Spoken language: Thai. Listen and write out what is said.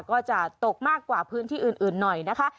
ก็จะตกมากกว่าพื้นที่อื่นหน่อยนะคะ